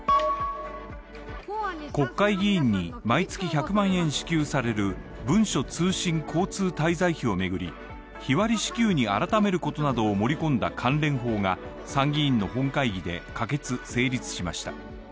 国会議員に毎月１００万円支給される文書通信交通滞在費を巡り、日割り支給に改めることなどを盛り込んだ関連法が参議院の本会議で可決成立しました。